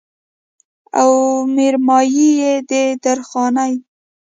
او مېرمايي يې د درخانۍ